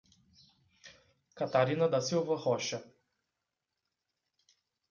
Catarina da Silva Rocha